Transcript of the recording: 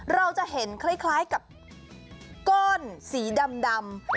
เราจะเห็นคล้ายกับก้อนสีดำ